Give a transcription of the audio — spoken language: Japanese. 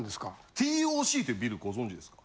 ＴＯＣってビルご存じですか？